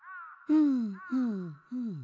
ふんふんふん。